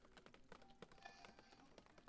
塞多费塔是葡萄牙波尔图区的一个堂区。